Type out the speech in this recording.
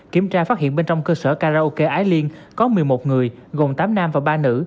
kiểm tra phát hiện bên trong cơ sở karaoke ái liên có một mươi một người gồm tám nam và ba nữ